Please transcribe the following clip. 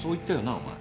お前。